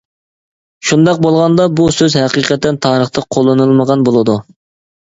شۇنداق بولغاندا بۇ سۆز ھەقىقەتەن تارىختا قوللىنىلمىغان بولىدۇ.